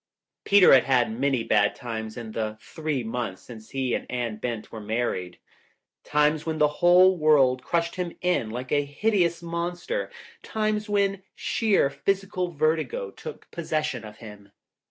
Peter had had many bad times in the three months since he and Anne Bent were married. Times when the whole world crushed him in like a hideous monster, times when sheer phys ical vertigo took possession of him.